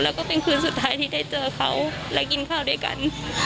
แล้วก็เป็นคืนสุดท้ายที่ได้เจอเขาและกินข้าวด้วยกัน